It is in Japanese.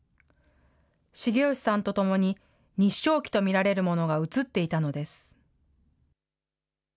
繁義さんと共に日章旗と見られるものが写っていたのです。